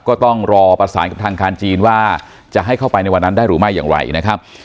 ก็ต้องรอประสานกับทางการจีนว่าจะให้เข้าไปในวันนั้นได้หรือไม่อย่างไรนะครับ